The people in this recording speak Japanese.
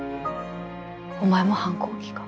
お前も反抗期か。